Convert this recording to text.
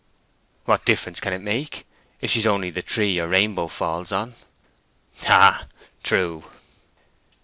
"What difference can it make, if she's only the tree your rainbow falls on?" "Ha! ha! True."